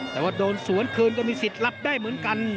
แต่ว่าโดนสวนคืนก็มีสิทธิ์รับได้เหมือนกัน